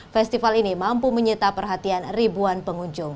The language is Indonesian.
festival ini mampu menyita perhatian ribuan pengunjung